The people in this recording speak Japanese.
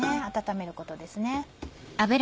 温めることです。